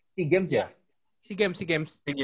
sea games ya sea games